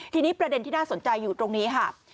ทีนี้ประเด็นที่น่าสนใจอยู่ตรงนี้ค่ะ